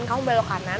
kamu balok kanan